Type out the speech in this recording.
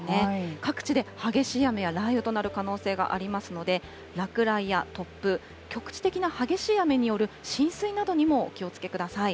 各地で激しい雨や雷雨となる可能性がありますので、落雷や突風、局地的な激しい雨による浸水などにもお気をつけください。